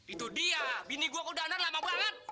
itu dia bini gua ke udanar lama banget